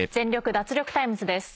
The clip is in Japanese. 脱力タイムズ』です。